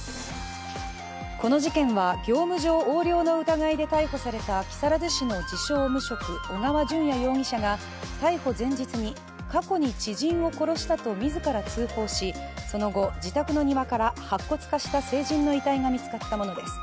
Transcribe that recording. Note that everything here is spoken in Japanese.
この事件は業務上横領の疑いで逮捕された木更津市の自称・無職小川順也容疑者が逮捕前日に、過去に知人を殺したと自ら通報し、その後、自宅の庭から白骨化した成人の遺体が見つかったものです。